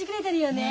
ね。